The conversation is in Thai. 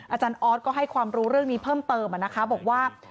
อาจารย์ออสก็ให้ความรู้เรื่องนี้เพิ่มเติมนะคะบอกว่า